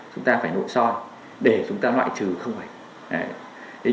chúng ta phải nội soi để chúng ta ngoại trừ không phải